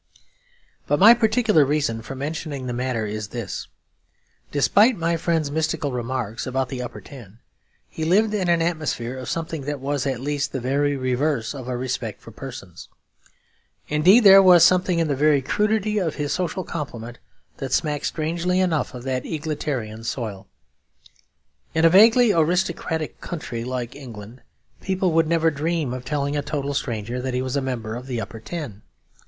But my particular reason for mentioning the matter is this. Despite my friend's mystical remarks about the Upper Ten, he lived in an atmosphere of something that was at least the very reverse of a respect for persons. Indeed, there was something in the very crudity of his social compliment that smacked, strangely enough, of that egalitarian soil. In a vaguely aristocratic country like England, people would never dream of telling a total stranger that he was a member of the Upper Ten.